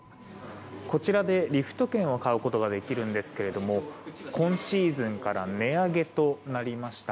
こちらでリフト券を買うことができるんですけれども今シーズンから値上げとなりました。